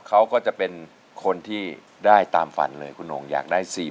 เขาก็จะเป็นคนที่ได้ตามฝันเลยคุณหน่งอยากได้๔๐